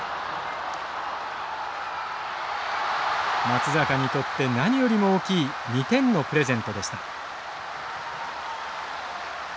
松坂にとって何よりも大きい２点のプレゼントでした。